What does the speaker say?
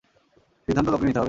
সিদ্ধান্ত তোকে নিতে হবে।